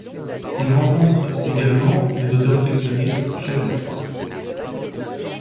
Ils rencontrent également les auteurs sélectionnés, chaque année.